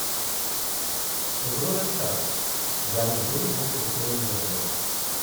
A brunet child, wearing rain boots is playing in the dirt.